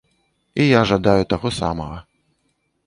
І я жадаю таго самага.